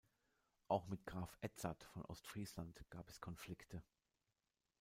Auch mit Graf Edzard von Ostfriesland gab es Konflikte.